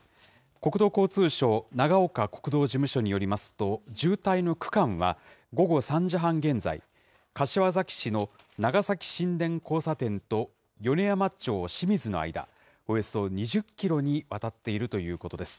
国土交通省長岡国道事務所によりますと、渋滞の区間は、午後３時半現在、柏崎市の長崎新田交差点と米山町清水の間、およそ２０キロにわたっているということです。